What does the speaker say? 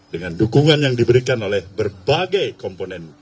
dengan dukungan yang diberikan oleh berbagai komponen